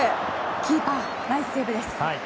キーパー、ナイスセーブです。